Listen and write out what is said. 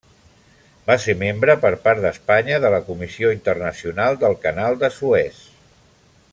Va ser membre per part d'Espanya de la Comissió Internacional del Canal de Suez.